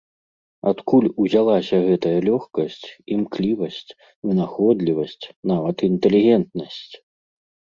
Адкуль узяліся гэтая лёгкасць, імклівасць, вынаходлівасць, нават інтэлігентнасць?